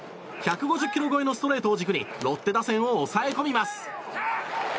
１５０キロ超えのストレートを軸にロッテ打線を抑え込みます。